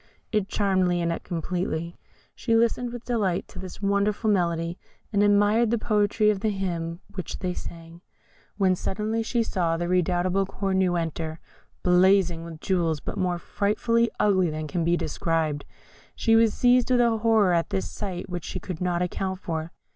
It charmed Lionette completely. She listened with delight to this wonderful melody, and admired the poetry of the hymn which they sang; when suddenly she saw the redoubtable Cornue enter, blazing with jewels, but more frightfully ugly than can be described. She was seized with a horror at this sight which she could not account for.